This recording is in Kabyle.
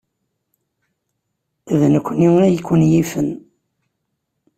D nekkni ay ken-yifen.